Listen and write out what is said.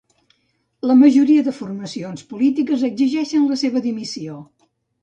La majoria de formacions polítiques exigeixen la seva dimissió.